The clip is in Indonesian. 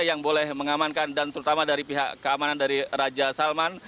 yang boleh mengamankan dan terutama dari pihak keamanan dari raja salman